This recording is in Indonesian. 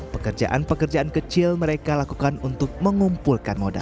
pekerjaan pekerjaan kecil mereka lakukan untuk mengumpulkan modal